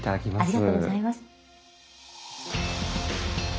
ありがとうございます。